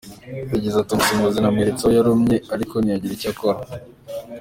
Yagize ati “ Umusifuzi namweretse aho yarumye ariko ntiyagira icyo akora.